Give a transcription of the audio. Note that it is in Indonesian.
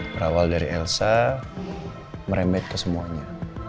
berawal dari elsa merembet ke semuanya